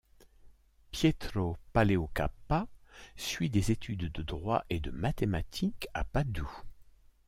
Pietro Paleocapa suit des études de droit et de mathématiques à Padoue.